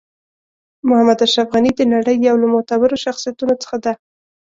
محمد اشرف غنی د نړۍ یو له معتبرو شخصیتونو څخه ده .